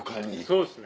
そうですね。